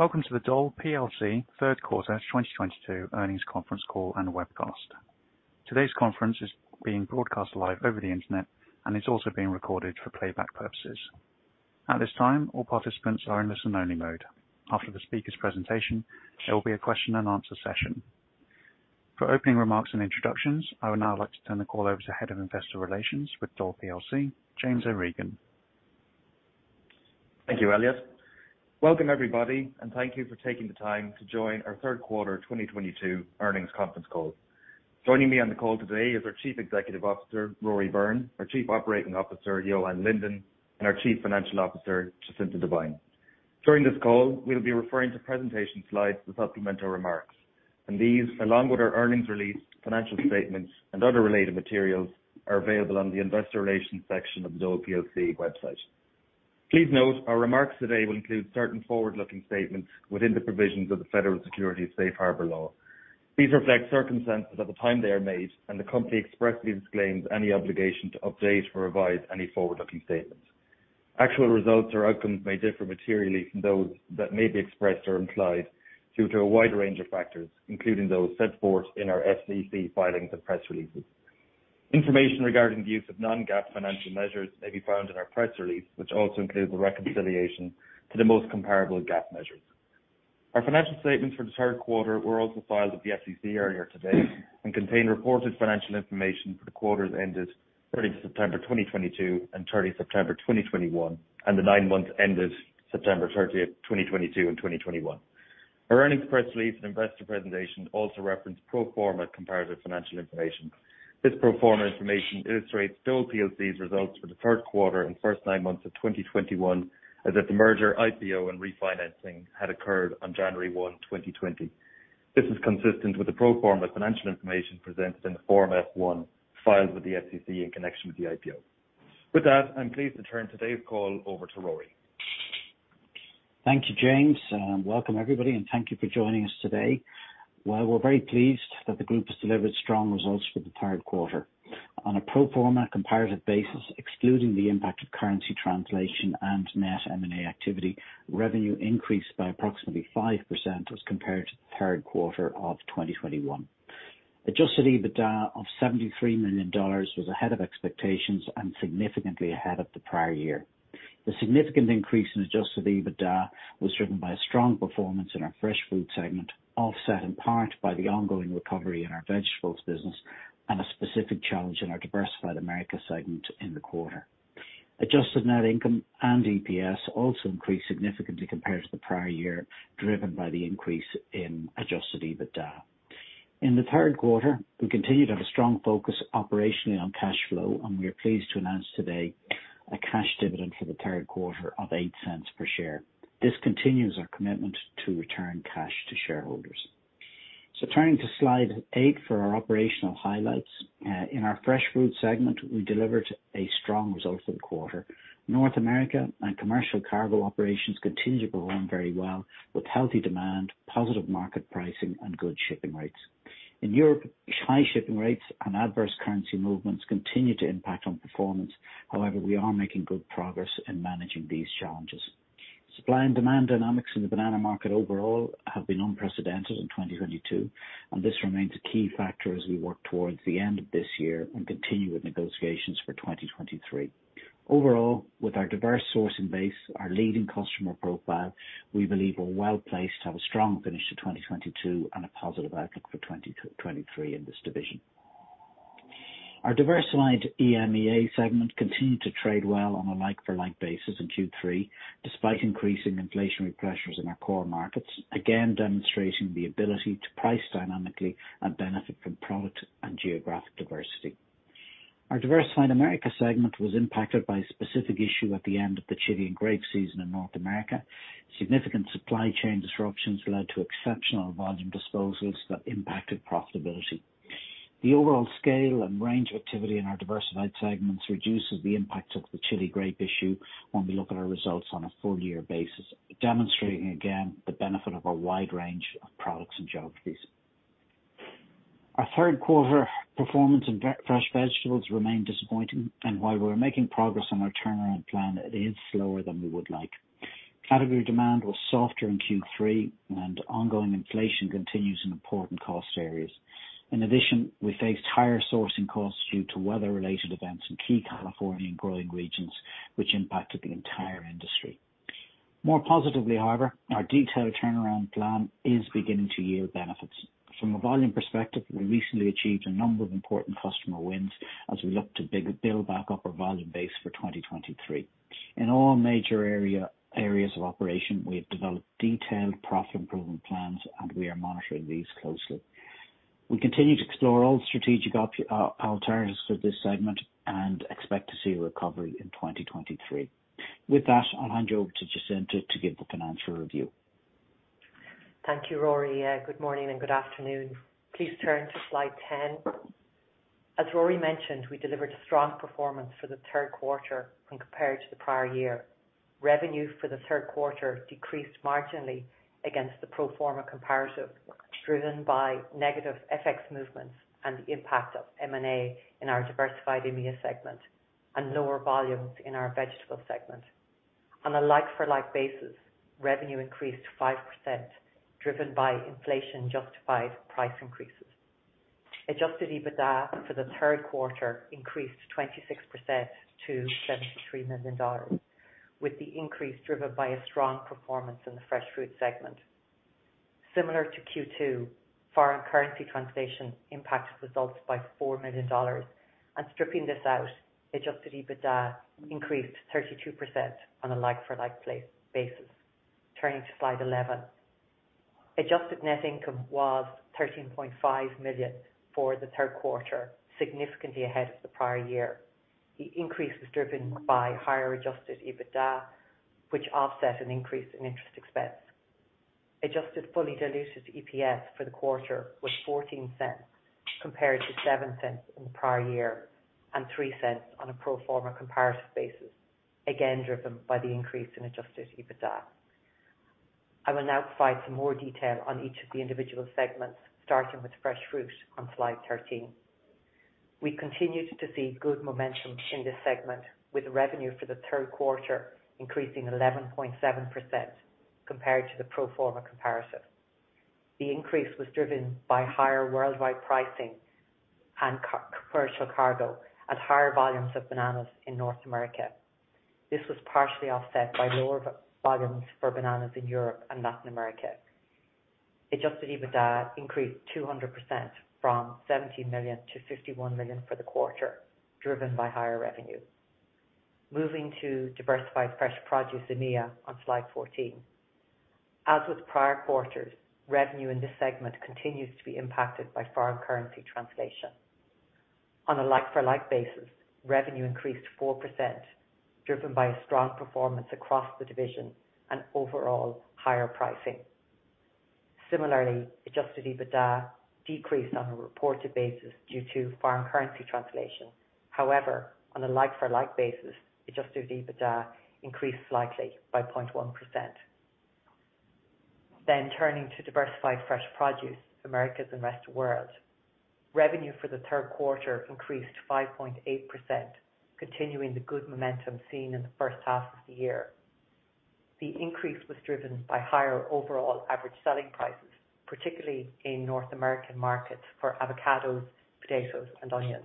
Welcome to the Dole plc third quarter 2022 earnings conference call and webcast. Today's conference is being broadcast live over the internet and is also being recorded for playback purposes. At this time, all participants are in listen-only mode. After the speaker's presentation, there will be a question-and-answer session. For opening remarks and introductions, I would now like to turn the call over to Head of Investor Relations with Dole plc, James O'Regan. Thank you, Elliot. Welcome everybody, and thank you for taking the time to join our third quarter 2022 earnings conference call. Joining me on the call today is our Chief Executive Officer, Rory Byrne, our Chief Operating Officer, Johan Linden, and our Chief Financial Officer, Jacinta Devine. During this call, we'll be referring to presentation slides with supplemental remarks. These, along with our earnings release, financial statements and other related materials, are available on the investor relations section of the Dole plc website. Please note our remarks today will include certain forward-looking statements within the provisions of the Federal Securities Safe Harbor Law. These reflect circumstances at the time they are made. The company expressly disclaims any obligation to update or revise any forward-looking statements. Actual results or outcomes may differ materially from those that may be expressed or implied due to a wide range of factors, including those set forth in our SEC filings and press releases. Information regarding the use of non-GAAP financial measures may be found in our press release, which also includes a reconciliation to the most comparable GAAP measures. Our financial statements for the third quarter were also filed with the SEC earlier today and contain reported financial information for the quarters ended 30 September 2022 and 30 September 2021, and the nine months ended September 30, 2022 and 2021. Our earnings press release and investor presentation also reference pro-forma comparative financial information. This pro forma information illustrates Dole plc's results for the third quarter and first nine months of 2021, as if the merger, IPO and refinancing had occurred on January 1, 2020. This is consistent with the pro forma financial information presented in the Form F-1 filed with the SEC in connection with the IPO. With that, I'm pleased to turn today's call over to Rory. Thank you, James, and welcome everybody, and thank you for joining us today. Well, we're very pleased that the group has delivered strong results for the third quarter. On a pro forma comparative basis, excluding the impact of currency translation and net M&A activity, revenue increased by approximately 5% as compared to the third quarter of 2021. Adjusted EBITDA of $73 million was ahead of expectations and significantly ahead of the prior year. The significant increase in adjusted EBITDA was driven by a strong performance in our Fresh Fruit segment, offset in part by the ongoing recovery in our Vegetables business and a specific challenge in our Diversified Americas segment in the quarter. Adjusted net income and EPS also increased significantly compared to the prior year, driven by the increase in adjusted EBITDA. In the third quarter, we continued to have a strong focus operationally on cash flow, and we are pleased to announce today a cash dividend for the third quarter of $0.08 per share. This continues our commitment to return cash to shareholders. Turning to slide eight for our operational highlights. In our Fresh Fruit segment, we delivered a strong result for the quarter. North America and Commercial cargo operations continue to perform very well, with healthy demand, positive market pricing and good shipping rates. In Europe, high shipping rates and adverse currency movements continue to impact on performance. However, we are making good progress in managing these challenges. Supply and demand dynamics in the banana market overall have been unprecedented in 2022, and this remains a key factor as we work towards the end of this year and continue with negotiations for 2023. Overall, with our diverse sourcing base, our leading customer profile, we believe we're well-placed to have a strong finish to 2022 and a positive outlook for 2023 in this division. Our Diversified EMEA segment continued to trade well on a like-for-like basis in Q3, despite increasing inflationary pressures in our core markets, again demonstrating the ability to price dynamically and benefit from product and geographic diversity. Our Diversified Americas segment was impacted by a specific issue at the end of the Chilean grape season in North America. Significant supply chain disruptions led to exceptional volume disposals that impacted profitability. The overall scale and range of activity in our diversified segments reduces the impacts of the Chilean grape issue when we look at our results on a full-year basis, demonstrating again the benefit of a wide range of products and geographies. Our third quarter performance in Fresh Vegetables remained disappointing, and while we're making progress on our turnaround plan, it is slower than we would like. Category demand was softer in Q3 and ongoing inflation continues in important cost areas. In addition, we faced higher sourcing costs due to weather-related events in key California and growing regions, which impacted the entire industry. More positively, however, our detailed turnaround plan is beginning to yield benefits. From a volume perspective, we recently achieved a number of important customer wins as we look to build back up our volume base for 2023. In all major areas of operation, we have developed detailed profit improvement plans and we are monitoring these closely. We continue to explore all strategic alternatives for this segment and expect to see a recovery in 2023. With that, I'll hand you over to Jacinta to give the financial review. Thank you, Rory. Good morning and good afternoon. Please turn to slide 10. As Rory mentioned, we delivered a strong performance for the third quarter when compared to the prior year. Revenue for the third quarter decreased marginally against the pro-forma comparative, driven by negative FX movements and the impact of M&A in our Diversified EMEA segment and lower volumes in our Vegetable segment. On a like-for-like basis, revenue increased 5% driven by inflation-justified price increases. Adjusted EBITDA for the third quarter increased 26% to $73 million, with the increase driven by a strong performance in the Fresh Fruit segment. Similar to Q2, foreign currency translation impacted results by $4 million. Stripping this out, adjusted EBITDA increased 32% on a like-for-like basis. Turning to slide 11. adjusted net income was $13.5 million for the third quarter, significantly ahead of the prior year. The increase was driven by higher adjusted EBITDA, which offset an increase in interest expense. Adjusted fully diluted EPS for the quarter was $0.14 compared to $0.07 in the prior year, and $0.03 on a pro-forma comparative basis, again, driven by the increase in adjusted EBITDA. I will now provide some more detail on each of the individual segments, starting with Fresh Fruit on slide 13. We continued to see good momentum in this segment, with revenue for the third quarter increasing 11.7% compared to the pro forma comparison. The increase was driven by higher worldwide pricing and commercial cargo at higher volumes of bananas in North America. This was partially offset by lower volumes for bananas in Europe and Latin America. Adjusted EBITDA increased 200% from $17 million to $51 million for the quarter, driven by higher revenue. Moving to Diversified Fresh Produce EMEA on slide 14. As with prior quarters, revenue in this segment continues to be impacted by foreign currency translation. On a like-for-like basis, revenue increased 4%, driven by a strong performance across the division and overall higher pricing. Similarly, adjusted EBITDA decreased on a reported basis due to foreign currency translation. However, on a like-for-like basis, adjusted EBITDA increased slightly by 0.1%. Turning to Diversified Fresh Produce, Americas and rest of world. Revenue for the third quarter increased 5.8%, continuing the good momentum seen in the first half of the year. The increase was driven by higher overall average selling prices, particularly in North American markets for avocados, potatoes and onions.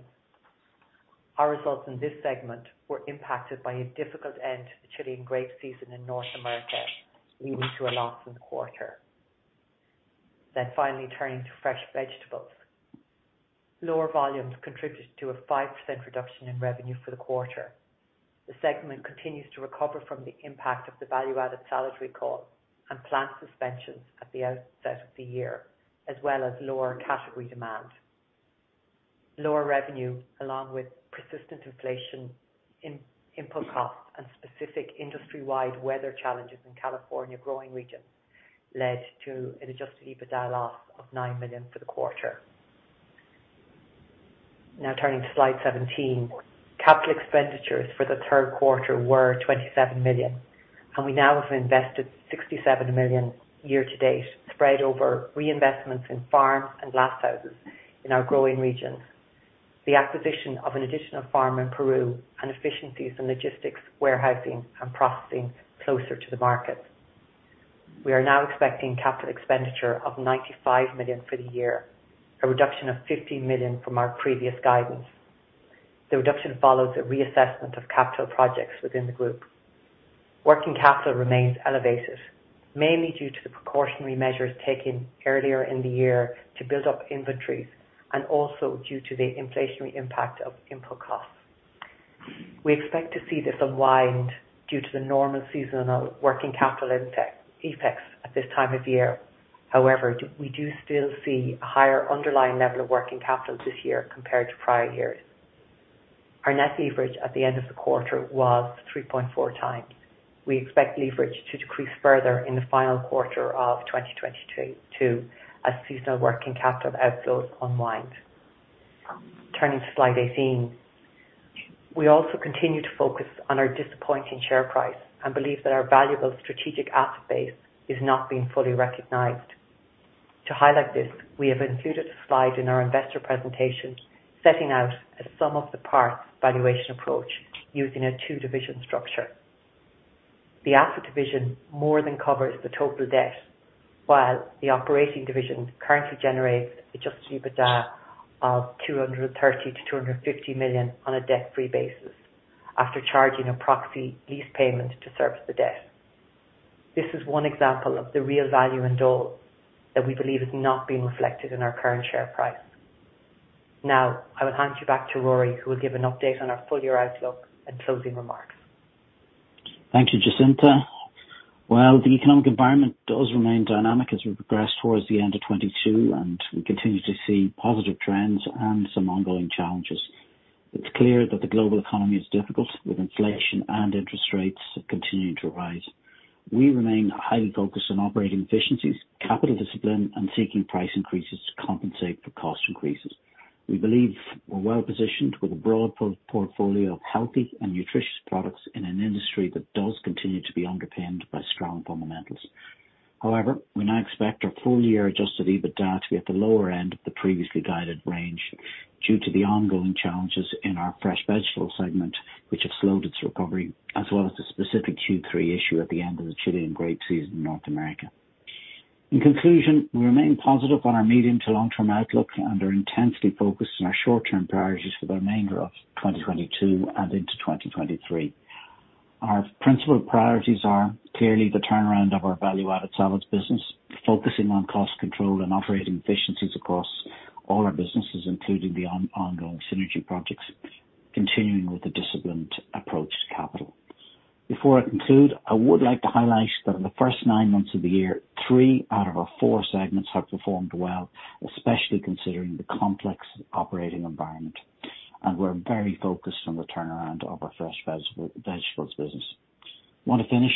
Our results in this segment were impacted by a difficult end to the Chilean grape season in North America, leading to a loss in the quarter. Finally turning to Fresh Vegetables. Lower volumes contributed to a 5% reduction in revenue for the quarter. The segment continues to recover from the impact of the Value Added Salads recall and plant suspensions at the outset of the year, as well as lower category demand. Lower revenue, along with persistent inflation in input costs and specific industry-wide weather challenges in California growing regions, led to an adjusted EBITDA loss of $9 million for the quarter. Now turning to slide 17. Capital expenditures for the third quarter were $27 million, and we now have invested $67 million year-to-date, spread over reinvestments in farms and glasshouses in our growing regions, the acquisition of an additional farm in Peru and efficiencies in logistics, warehousing and processing closer to the market. We are now expecting capital expenditure of $95 million for the year, a reduction of $50 million from our previous guidance. The reduction follows a reassessment of capital projects within the group. Working capital remains elevated, mainly due to the precautionary measures taken earlier in the year to build up inventories and also due to the inflationary impact of input costs. We expect to see this unwind due to the normal seasonal working capital intake at this time of year. However, we do still see a higher underlying level of working capital this year compared to prior years. Our net leverage at the end of the quarter was 3.4x. We expect leverage to decrease further in the final quarter of 2022, as seasonal working capital outflows unwind. Turning to slide 18. We also continue to focus on our disappointing share price and believe that our valuable strategic asset base is not being fully recognized. To highlight this, we have included a slide in our investor presentation, setting out a sum of the parts valuation approach using a two-division structure. The asset division more than covers the total debt, while the operating division currently generates adjusted EBITDA of $230 million-$250 million on a debt-free basis after charging a proxy lease payment to service the debt. This is one example of the real value in Dole that we believe is not being reflected in our current share price. Now, I will hand you back to Rory who will give an update on our full year outlook and closing remarks. Thank you, Jacinta. Well, the economic environment does remain dynamic as we progress towards the end of 2022, and we continue to see positive trends and some ongoing challenges. It's clear that the global economy is difficult, with inflation and interest rates continuing to rise. We remain highly focused on operating efficiencies, capital discipline and seeking price increases to compensate for cost increases. We believe we're well positioned with a broad portfolio of healthy and nutritious products in an industry that does continue to be underpinned by strong fundamentals. However, we now expect our full year adjusted EBITDA to be at the lower end of the previously guided range due to the ongoing challenges in our Fresh Vegetables segment, which have slowed its recovery, as well as the specific Q3 issue at the end of the Chilean grape season in North America. In conclusion, we remain positive on our medium- to long-term outlook and are intensely focused on our short-term priorities for the remainder of 2022 and into 2023. Our principal priorities are clearly the turnaround of our Value Added Salads business, focusing on cost control and operating efficiencies across all our businesses, including the ongoing synergy projects, continuing with the disciplined approach to capital. Before I conclude, I would like to highlight that in the first nine months of the year, three out of our four segments have performed well, especially considering the complex operating environment, and we're very focused on the turnaround of our Fresh Vegetables business. I wanna finish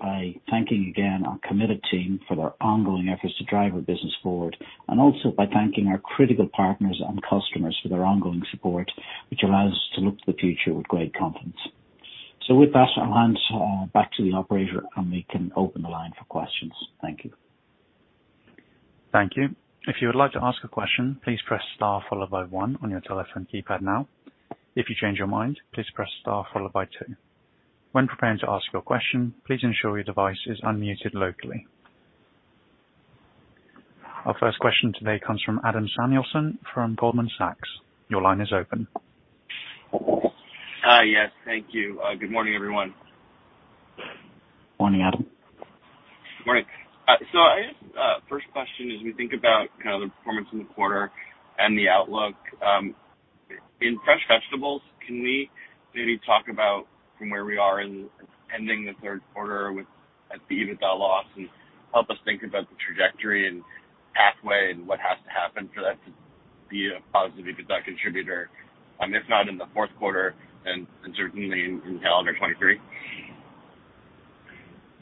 by thanking again our committed team for their ongoing efforts to drive our business forward, and also by thanking our critical partners and customers for their ongoing support, which allows us to look to the future with great confidence. With that, I'll hand back to the Operator, and we can open the line for questions. Thank you. Thank you. If you would like to ask a question, please press star followed by one on your telephone keypad now. If you change your mind, please press star followed by two. When preparing to ask your question, please ensure your device is unmuted locally. Our first question today comes from Adam Samuelson from Goldman Sachs. Your line is open. Yes, thank you. Good morning, everyone. Morning, Adam. Morning. I guess first question, as we think about kind of the performance in the quarter and the outlook in Fresh Vegetables, can we maybe talk about from where we are in ending the third quarter at the EBITDA loss and help us think about the trajectory and pathway and what has to happen for that to be a positive EBITDA contributor, if not in the fourth quarter and certainly in calendar 2023?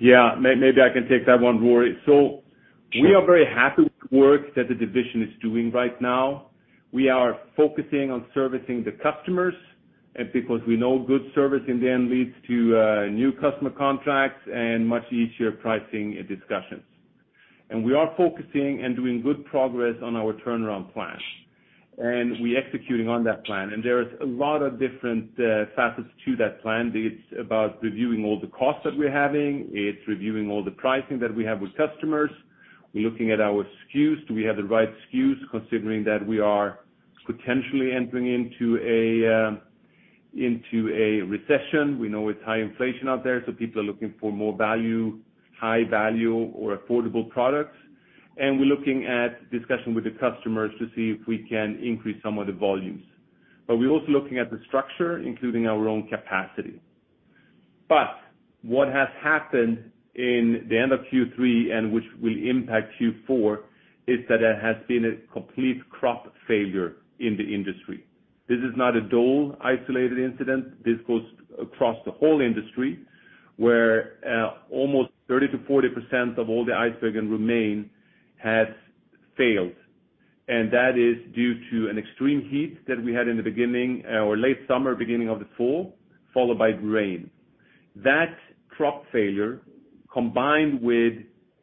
Yeah. Maybe I can take that one, Rory. We are very happy with the work that the division is doing right now. We are focusing on servicing the customers and because we know good service in the end leads to new customer contracts and much easier pricing discussions. We are focusing and doing good progress on our turnaround plan. We're executing on that plan. There is a lot of different facets to that plan. It's about reviewing all the costs that we're having. It's reviewing all the pricing that we have with customers. We're looking at our SKUs. Do we have the right SKUs considering that we are potentially entering into a recession? We know it's high inflation out there, so people are looking for more value, high value or affordable products. We're looking at discussion with the customers to see if we can increase some of the volumes. We're also looking at the structure, including our own capacity. What has happened in the end of Q3 and which will impact Q4 is that there has been a complete crop failure in the industry. This is not a Dole isolated incident. This goes across the whole industry, where almost 30%-40% of all the iceberg and romaine has failed. That is due to an extreme heat that we had in the beginning or late summer, beginning of the fall, followed by rain. That crop failure, combined with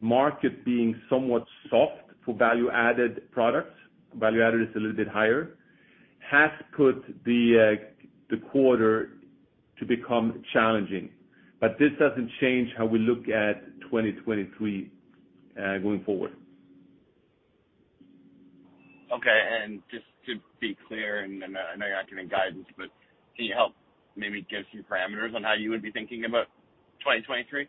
market being somewhat soft for Value Added products, Value Added is a little bit higher, has put the quarter to become challenging. This doesn't change how we look at 2023 going forward. Okay. Just to be clear, and I know you're not giving guidance, but can you help maybe give some parameters on how you would be thinking about 2023?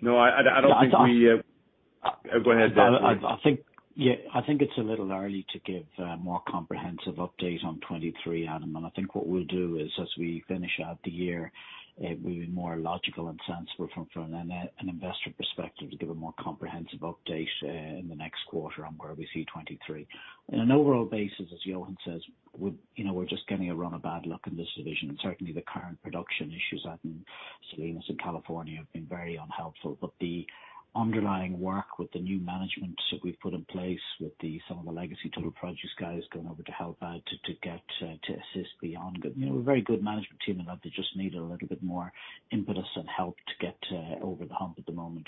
No, I don't think we. I- Go ahead, Rory Byrne. I think, yeah, it's a little early to give a more comprehensive update on 2023, Adam. I think what we'll do is, as we finish out the year, we'll be more logical and sensible from an investor perspective to give a more comprehensive update in the next quarter on where we see 2023. On an overall basis, as Johan says, you know, we're just getting a run of bad luck in this division, and certainly the current production issues out in Salinas and California have been very unhelpful. You know, a very good management team and that they just need a little bit more impetus and help to get over the hump at the moment.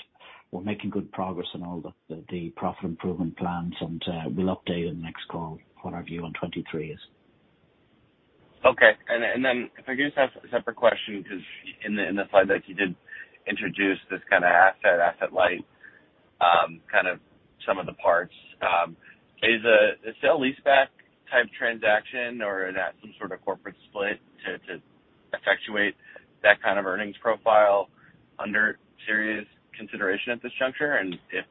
We're making good progress on all the profit improvement plans, and we'll update on the next call what our view on 2023 is. Okay. If I could just ask a separate question, 'cause in the slide deck, you did introduce this kinda asset-light, kind of sum-of-the-parts. Is a sale-leaseback type transaction or is that some sort of corporate split to effectuate that kind of earnings profile under serious consideration at this juncture? If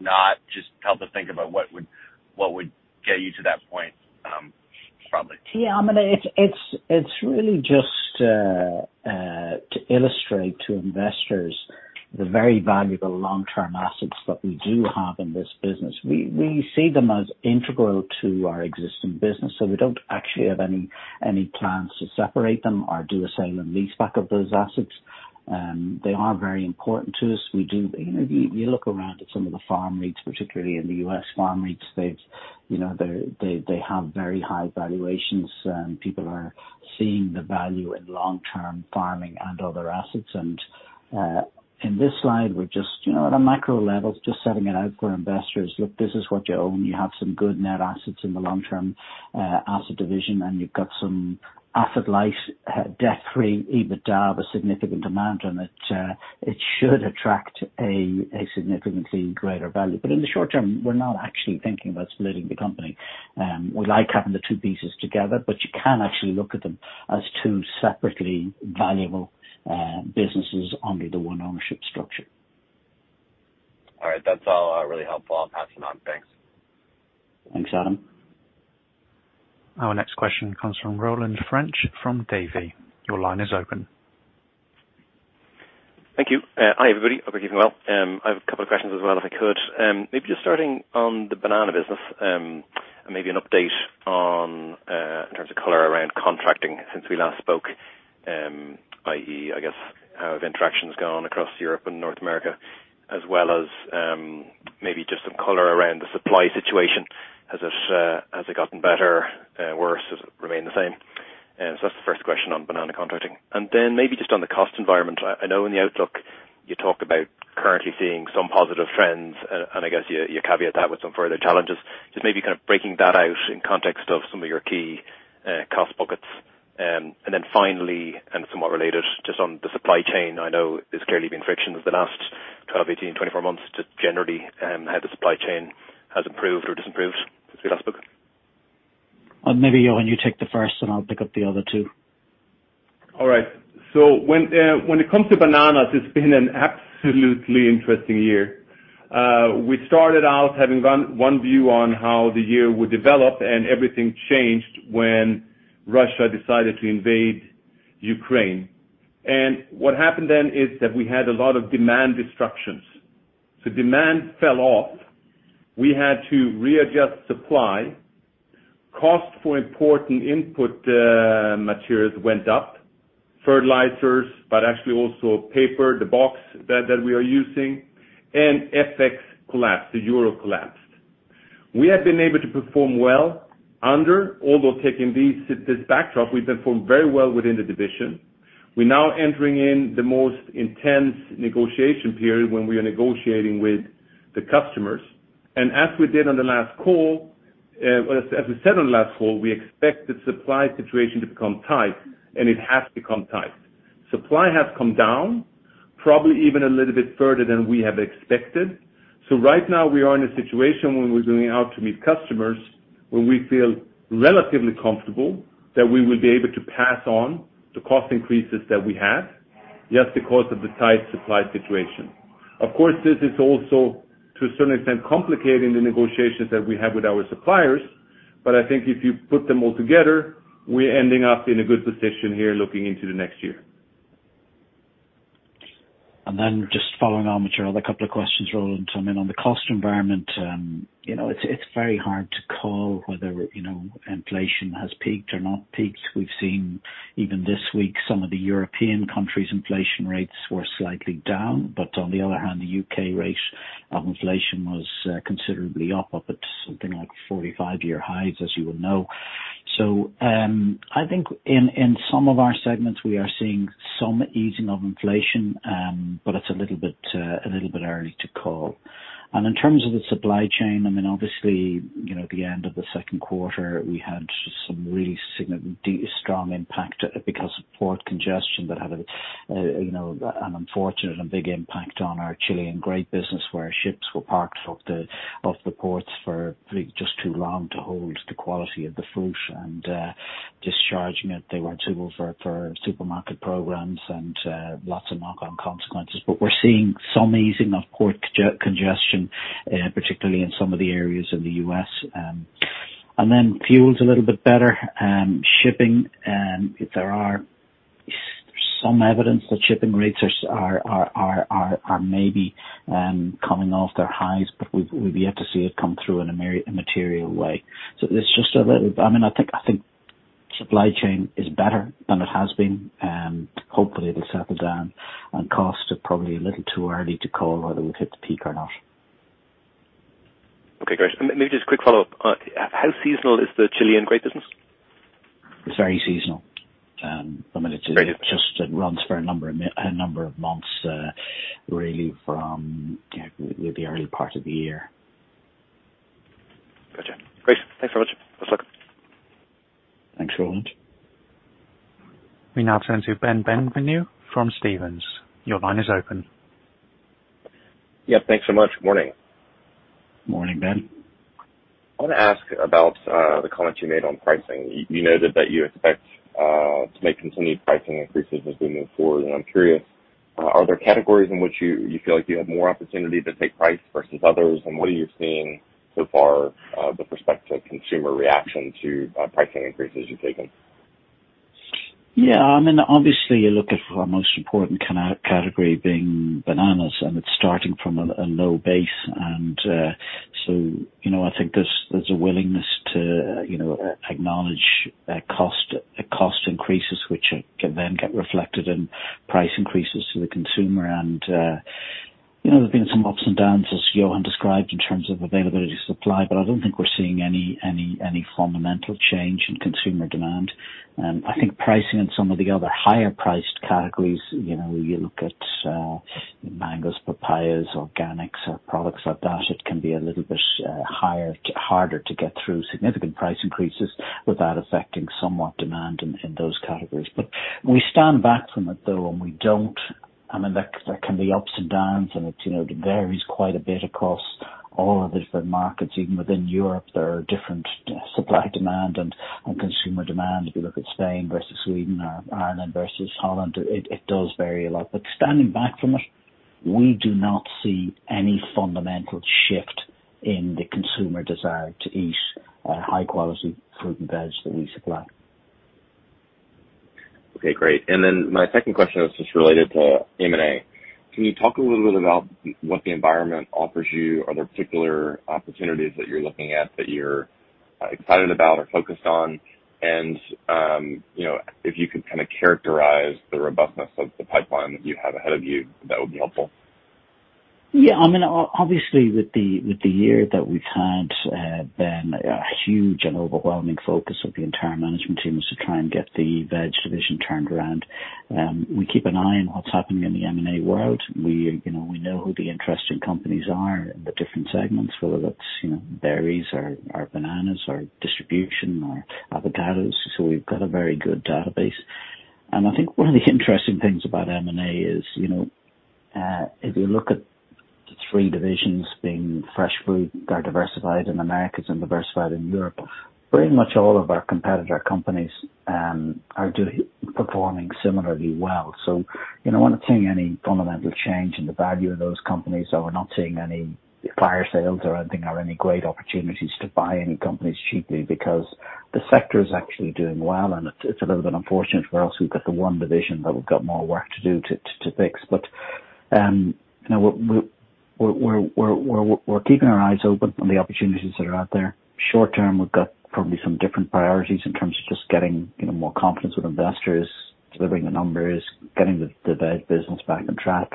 not, just help to think about what would get you to that point, probably. Yeah. I mean, it's really just to illustrate to investors the very valuable long-term assets that we do have in this business. We see them as integral to our existing business. We don't actually have any plans to separate them or do a sale and leaseback of those assets. They are very important to us. You know, you look around at some of the farm REITs, particularly in the U.S. farm REIT space. You know, they have very high valuations, and people are seeing the value in long-term farming and other assets. In this slide, we're just, you know, at a micro level, just setting it out for investors. Look, this is what you own. You have some good net assets in the long-term asset division, and you've got some asset-light debt-free EBITDA of a significant amount, and it should attract a significantly greater value. In the short term, we're not actually thinking about splitting the company. We like having the two pieces together, but you can actually look at them as two separately valuable businesses under the one ownership structure. All right. That's all really helpful. I'll pass it on. Thanks. Thanks, Adam. Our next question comes from Roland French from Davy. Your line is open. Thank you. Uh, hi, everybody. Hope you're keeping well. Um, I have a couple of questions as well, if I could. Um, maybe just starting on the banana business, um, and maybe an update on, uh, in terms of color around contracting since we last spoke, um, i.e., I guess, how have interactions gone across Europe and North America, as well as, um, maybe just some color around the supply situation. Has it, uh, has it gotten better, uh, worse? Has it remained the same? Uh, so that's the first question on banana contracting. And then maybe just on the cost environment. I know in the outlook you talk about currently seeing some positive trends and I guess you caveat that with some further challenges. Just maybe kind of breaking that out in context of some of your key, uh, cost buckets. Finally, and somewhat related, just on the supply chain, I know there's clearly been friction over the last 12, 18, 24 months, to generally how the supply chain has improved or disimproved since we last spoke. Maybe, Johan, you take the first, and I'll pick up the other two. All right. When it comes to bananas, it's been an absolutely interesting year. We started out having one view on how the year would develop, and everything changed when Russia decided to invade Ukraine. What happened then is that we had a lot of demand destructions. Demand fell off. We had to readjust supply. Cost for important input materials went up. Fertilizers, but actually also paper, the box that we are using, and FX collapsed, the euro collapsed. Although taking this backdrop, we've been performing very well within the division. We're now entering in the most intense negotiation period when we are negotiating with the customers. As we said on the last call, we expect the supply situation to become tight, and it has become tight. Supply has come down, probably even a little bit further than we have expected. Right now we are in a situation when we're going out to meet customers, when we feel relatively comfortable that we will be able to pass on the cost increases that we have, just because of the tight supply situation. Of course, this is also, to a certain extent, complicating the negotiations that we have with our suppliers, but I think if you put them all together, we're ending up in a good position here looking into the next year. Just following on with your other couple of questions, Roland, I mean, on the cost environment, you know, it's very hard to call whether, you know, inflation has peaked or not peaked. We've seen even this week, some of the European countries' inflation rates were slightly down. On the other hand, the U.K. rate of inflation was considerably up at something like 45-year highs, as you will know. I think in some of our segments, we are seeing some easing of inflation, but it's a little bit early to call. And in terms of the supply chain, I mean, obviously, you know, at the end of the second quarter, we had just some really strong impact because of port congestion that had, you know, an unfortunate and big impact on our Chilean grape business, where ships were parked off the ports for really just too long to hold the quality of the fruit and discharging it. They weren't suitable for supermarket programs and lots of knock-on consequences. We're seeing some easing of port congestion, particularly in some of the areas of the U.S. And then fuel's a little bit better. And shipping, there are some evidence that shipping rates are maybe coming off their highs, but we've yet to see it come through in a material way. So it's just a little... I mean, I think, I think supply chain is better than it has been, and hopefully it'll settle down. And cost are probably a little too early to call whether we've hit the peak or not. Okay. Great. Maybe just a quick follow-up. How seasonal is the Chilean grape business? It's very seasonal. Great. It runs for a number of months, really from, you know, the early part of the year. Gotcha. Great. Thanks very much. Best of luck. Thanks, Roland. We now turn to Ben Bienvenu from Stephens. Your line is open. Yeah, thanks so much. Morning. Morning, Ben. I wanna ask about the comment you made on pricing. You noted that you expect to make continued pricing increases as we move forward, and I'm curious, are there categories in which you feel like you have more opportunity to take price versus others? What are you seeing so far with respect to consumer reaction to pricing increases you've taken? Yeah. I mean, obviously you look at our most important category being bananas, and it's starting from a low base. You know, I think there's a willingness to, you know, acknowledge cost increases, which can then get reflected in price increases to the consumer. You know, there's been some ups and downs, as Johan described, in terms of availability, supply, but I don't think we're seeing any fundamental change in consumer demand. I think pricing in some of the other higher priced categories, you know, you look at mangoes, papayas, organics or products like that, it can be a little bit harder to get through significant price increases without affecting somewhat demand in those categories. We stand back from it, though, and we don't, I mean, there can be ups and downs and it, you know, varies quite a bit across all of the different markets. Even within Europe, there are different supply, demand and consumer demand. If you look at Spain versus Sweden or Ireland versus Holland, it does vary a lot. Standing back from it, we do not see any fundamental shift in the consumer desire to eat high quality fruit and veg that we supply. Okay, great. My second question was just related to M&A. Can you talk a little bit about what the environment offers you? Are there particular opportunities that you're looking at that you're excited about or focused on? You know, if you could kind of characterize the robustness of the pipeline that you have ahead of you, that would be helpful. Yeah. I mean, obviously with the year that we've had, a huge and overwhelming focus of the entire management team is to try and get the veg division turned around. We keep an eye on what's happening in the M&A world. We, you know who the interesting companies are in the different segments, whether that's, you know, berries or bananas or distribution or avocados. We've got a very good database. I think one of the interesting things about M&A is, you know, if you look at the three divisions being Fresh Fruit, they're diversified in Americas and diversified in Europe. Pretty much all of our competitor companies are performing similarly well. You know, we're not seeing any fundamental change in the value of those companies, so we're not seeing any fire sales or anything, or any great opportunities to buy any companies cheaply because the sector is actually doing well, and it's a little bit unfortunate for us. We've got the one division that we've got more work to do to fix. You know, we're keeping our eyes open on the opportunities that are out there. Short term, we've got probably some different priorities in terms of just getting, you know, more confidence with investors, delivering the numbers, getting the veg business back on track.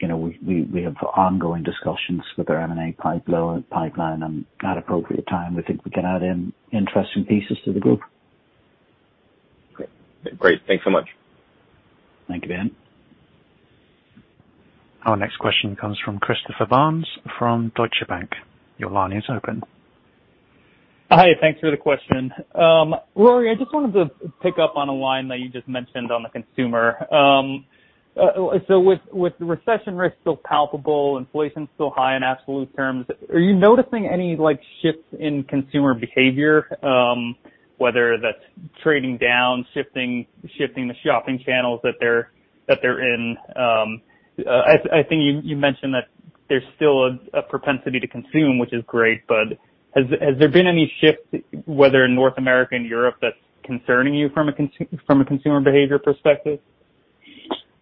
You know, we have ongoing discussions with our M&A pipeline, and at appropriate time, we think we can add in interesting pieces to the group. Great. Thanks so much. Thank you, Ben. Our next question comes from Christopher Barnes from Deutsche Bank. Your line is open. Hi. Thanks for the question. Rory, I just wanted to pick up on a line that you just mentioned on the consumer. With recession risk still palpable, inflation still high in absolute terms, are you noticing any, like, shifts in consumer behavior, whether that's trading down, shifting the shopping channels that they're in? I think you mentioned that there's still a propensity to consume, which is great, but has there been any shift, whether in North America and Europe, that's concerning you from a consumer behavior perspective?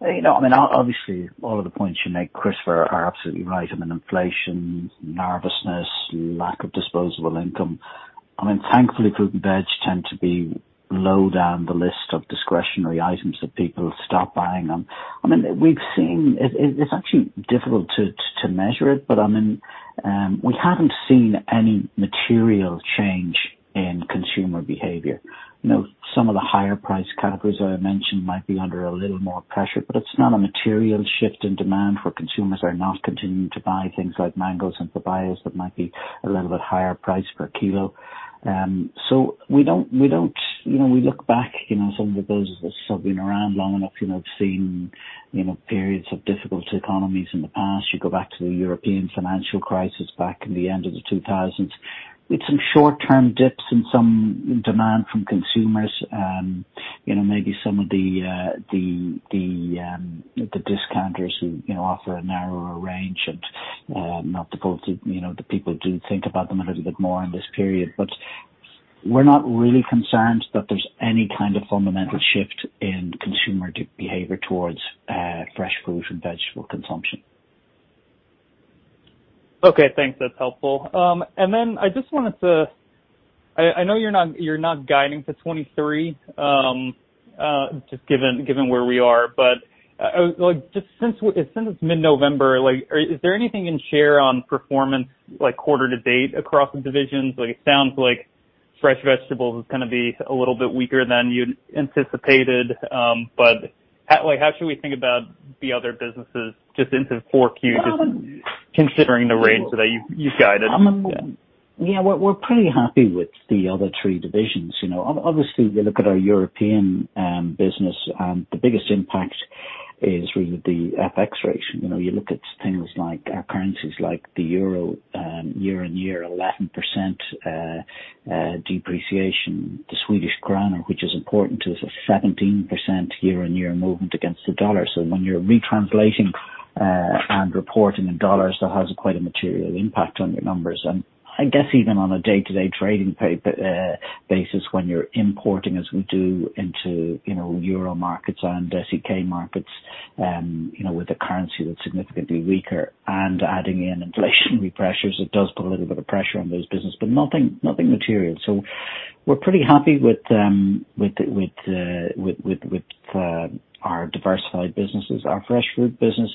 You know, I mean, obviously all of the points you make, Christopher, are absolutely right. I mean, inflation, nervousness, lack of disposable income. I mean, thankfully, fruit and veg tend to be low down the list of discretionary items that people stop buying them. It's actually difficult to measure it, but I mean, we haven't seen any material change in consumer behavior. You know, some of the higher-priced categories that I mentioned might be under a little more pressure, but it's not a material shift in demand where consumers are not continuing to buy things like mangoes and papayas that might be a little bit higher priced per kg. You know, we look back, you know, some of the businesses have been around long enough, you know, have seen, you know, periods of difficult economies in the past. You go back to the European financial crisis back in the end of the 2000s, with some short-term dips in some demand from consumers. You know, maybe some of the discounters who, you know, offer a narrower range. You know, the people do think about them a little bit more in this period. We're not really concerned that there's any kind of fundamental shift in consumer behavior towards fresh fruit and vegetable consumption. Okay, thanks. That's helpful. I know you're not guiding to 2023 just given where we are. Just since it's mid-November, is there anything you can share on performance like quarter to date across the divisions? Like, it sounds like Fresh Vegetables is gonna be a little bit weaker than you'd anticipated. Like, how should we think about the other businesses just into 4Q, just considering the range that you've guided? Yeah, we're pretty happy with the other three divisions. You know, obviously, we look at our European business, and the biggest impact is really the FX rates. You look at things like our currencies, like the euro, 11% year-over-year depreciation. The Swedish krona, which is important to us, 17% year-over-year movement against the dollar. When you're retranslating and reporting in dollars, that has quite a material impact on your numbers. I guess even on a day-to-day trading basis, when you're importing, as we do into, you know, euro markets and SEK markets, you know, with a currency that's significantly weaker and adding in inflationary pressures, it does put a little bit of pressure on those business, but nothing material. We're pretty happy with our diversified businesses. Our Fresh Fruit business,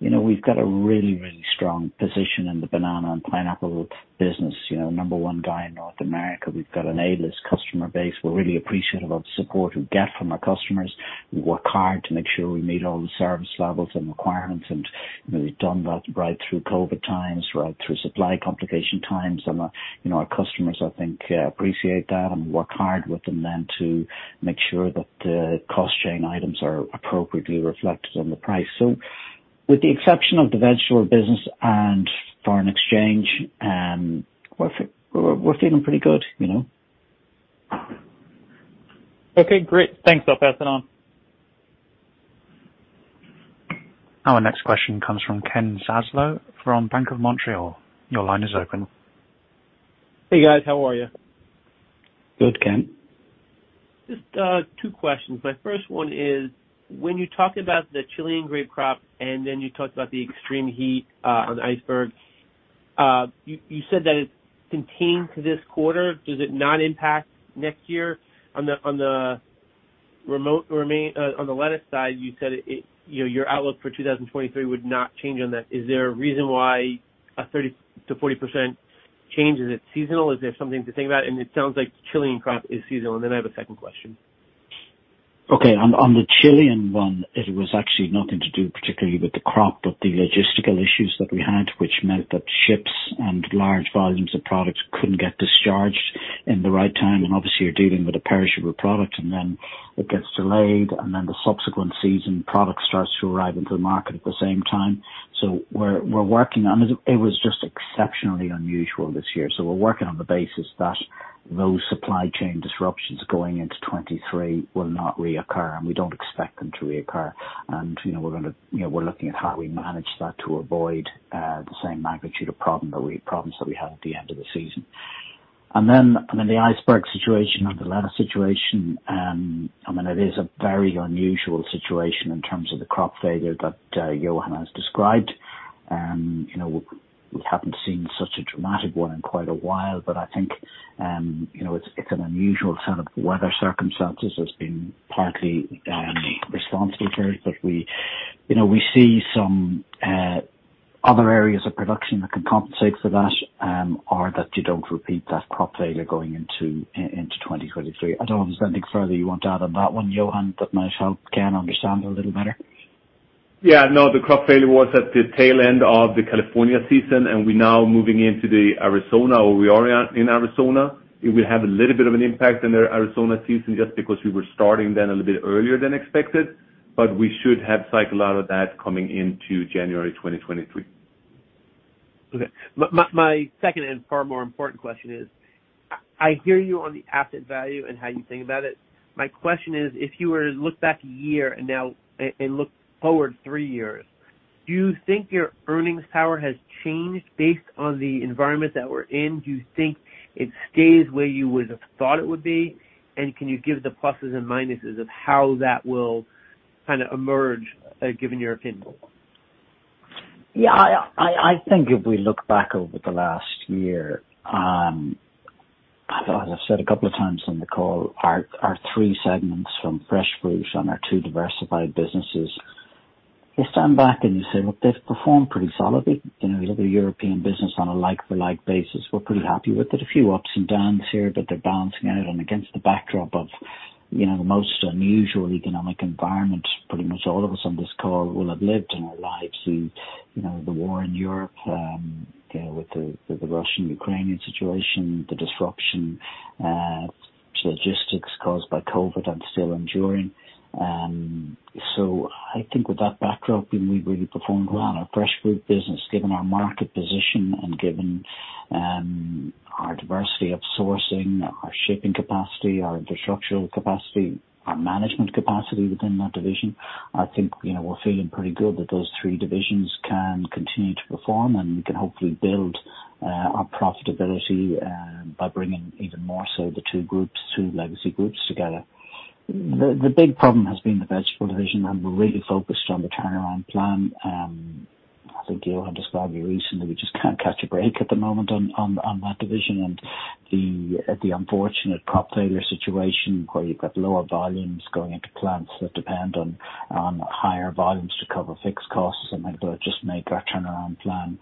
you know, we've got a really, really strong position in the banana and pineapple business. You know, number one guy in North America. We've got an A-list customer base. We're really appreciative of support we get from our customers. We work hard to make sure we meet all the service levels and requirements, and we've done that right through COVID times, right through supply complication times. You know, our customers, I think, appreciate that and work hard with them then to make sure that the cost chain items are appropriately reflected on the price. With the exception of the vegetable business and foreign exchange, we're feeling pretty good, you know. Okay, great. Thanks. I'll pass it on. Our next question comes from Ken Zaslow from Bank of Montreal. Your line is open. Hey, guys. How are you? Good, Ken. Just two questions. My first one is, when you talk about the Chilean grape crop, and then you talked about the extreme heat on iceberg, you said that it contained to this quarter. Does it not impact next year on the lettuce side? You said it, you know, your outlook for 2023 would not change on that. Is there a reason why a 30%-40% change, is it seasonal? Is there something to think about? It sounds like Chilean crop is seasonal. I have a second question. Okay. On the Chilean one, it was actually nothing to do particularly with the crop, but the logistical issues that we had, which meant that ships and large volumes of products couldn't get discharged in the right time. Obviously you're dealing with a perishable product, and then it gets delayed, and then the subsequent season product starts to arrive into the market at the same time. We're working on it. It was just exceptionally unusual this year. We're working on the basis that those supply chain disruptions going into 2023 will not reoccur, and we don't expect them to reoccur. You know, we're looking at how we manage that to avoid the same magnitude of problem or problems that we had at the end of the season. The iceberg situation and the lettuce situation, I mean, it is a very unusual situation in terms of the crop failure that Johan has described. You know, we haven't seen such a dramatic one in quite a while, but I think, you know, it's an unusual set of weather circumstances that's been partly responsible for it. We, you know, see some other areas of production that can compensate for that or that you don't repeat that crop failure going into 2023. I don't know if there's anything further you want to add on that one, Johan, that might help Ken understand a little better. Yeah, no, the crop failure was at the tail end of the California season, and we're now moving into the Arizona or we are in Arizona. It will have a little bit of an impact on our Arizona season just because we were starting then a little bit earlier than expected, but we should have cycled out of that coming into January 2023. Okay. My second and far more important question is, I hear you on the asset value and how you think about it. My question is, if you were to look back a year and now, and look forward three years, do you think your earnings power has changed based on the environment that we're in? Do you think it stays where you would have thought it would be? Can you give the pluses and minuses of how that will kinda emerge given your opinion? Yeah, I think if we look back over the last year, as I said a couple of times on the call, our three segments from Fresh Fruit and our two diversified businesses, you stand back and you say, "Look, they've performed pretty solidly." You know, you look at a European business on a like-for-like basis, we're pretty happy with it. A few ups and downs here, but they're balancing out. Against the backdrop of, you know, the most unusual economic environment pretty much all of us on this call will have lived in our lives. You know, the war in Europe, you know, with the Russian-Ukrainian situation, the disruption to logistics caused by COVID and still enduring. I think with that backdrop, we performed well on our Fresh Fruit business. Given our market position and given our diversity of sourcing, our shipping capacity, our infrastructural capacity, our management capacity within that division, I think, you know, we're feeling pretty good that those three divisions can continue to perform and we can hopefully build our profitability by bringing even more so the two legacy groups together. The big problem has been the Vegetable division, and we're really focused on the turnaround plan. I think Johan described it recently. We just can't catch a break at the moment on that division. The unfortunate crop failure situation where you've got lower volumes going into plants that depend on higher volumes to cover fixed costs and things like that just make our turnaround plan,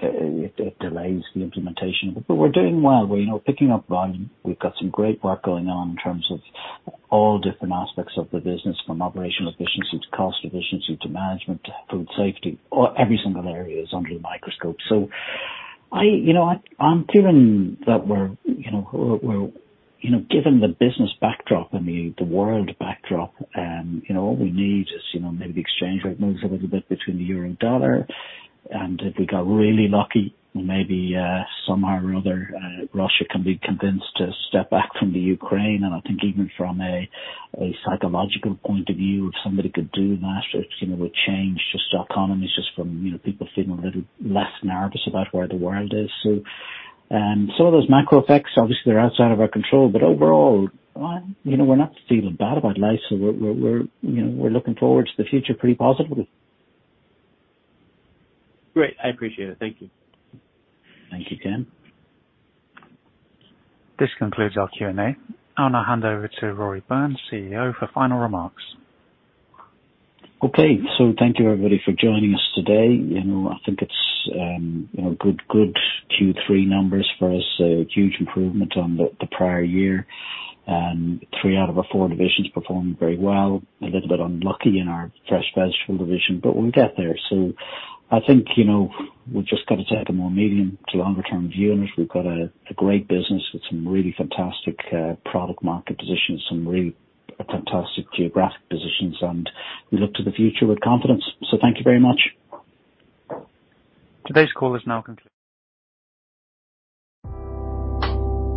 it delays the implementation. We're doing well. We're, you know, picking up volume. We've got some great work going on in terms of all different aspects of the business, from operational efficiency to cost efficiency to management to food safety. All, every single area is under the microscope. You know what? I'm feeling that we're, you know, given the business backdrop and the world backdrop, you know, all we need is, you know, maybe the exchange rate moves a little bit between the euro and dollar. If we got really lucky, maybe somehow or other Russia can be convinced to step back from the Ukraine. I think even from a psychological point of view, if somebody could do that, it, you know, would change just economies just from, you know, people feeling a little less nervous about where the world is. Some of those macro effects, obviously they're outside of our control, but overall, you know, we're not feeling bad about life. You know, we're looking forward to the future pretty positively. Great. I appreciate it. Thank you. Thank you, Ken. This concludes our Q&A. I'm gonna hand over to Rory Byrne, CEO, for final remarks. Okay. Thank you everybody for joining us today. You know, I think it's, you know, good Q3 numbers for us. A huge improvement on the prior year. Three out of our four divisions performed very well. A little bit unlucky in our Fresh Vegetables division, but we'll get there. I think, you know, we've just got to take a more medium to longer term view on it. We've got a great business with some really fantastic product market positions, some really fantastic geographic positions, and we look to the future with confidence. Thank you very much. Today's call is now concluded.